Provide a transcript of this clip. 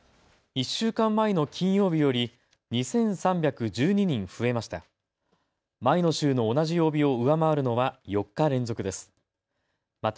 １週間前の金曜日より２３１２人増えました。